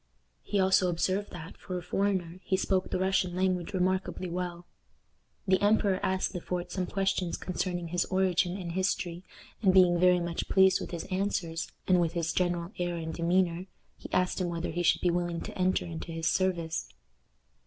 He also observed that, for a foreigner, he spoke the Russian language remarkably well. The emperor asked Le Fort some questions concerning his origin and history, and, being very much pleased with his answers, and with his general air and demeanor, he asked him whether he should be willing to enter into his service.